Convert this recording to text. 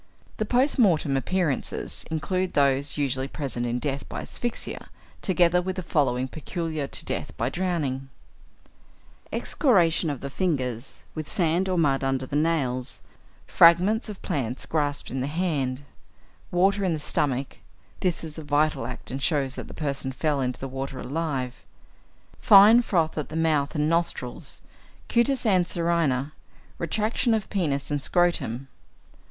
The post mortem appearances include those usually present in death by asphyxia, together with the following, peculiar to death by drowning: Excoriations of the fingers, with sand or mud under the nails; fragments of plants grasped in the hand; water in the stomach (this is a vital act, and shows that the person fell into the water alive); fine froth at the mouth and nostrils; cutis anserina; retraction of penis and scrotum.